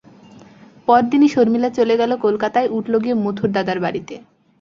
পরদিনই শর্মিলা চলে গেল কলকাতায়, উঠল গিয়ে মথুরদাদার বাড়িতে।